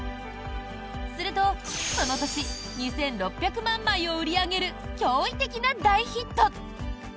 すると、その年２６００万枚を売り上げる驚異的な大ヒット。